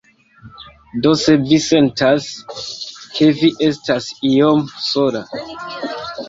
Do se vi sentas, ke vi estas iom sola